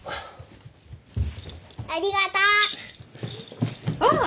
ありがとう！わあ！